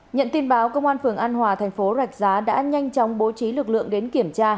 nhận tin báo công an phường an hòa thành phố rạch giá đã nhanh chóng bố trí lực lượng đến kiểm tra